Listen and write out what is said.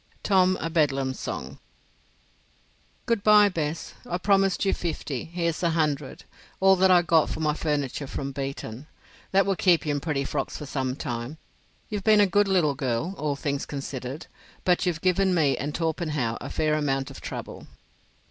—Tom a' Bedlam's Song. "Good bye, Bess; I promised you fifty. Here's a hundred—all that I got for my furniture from Beeton. That will keep you in pretty frocks for some time. You've been a good little girl, all things considered, but you've given me and Torpenhow a fair amount of trouble."